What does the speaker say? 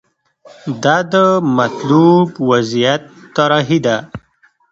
دا د مطلوب وضعیت طراحي ده.